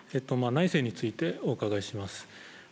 内政についてお伺いします。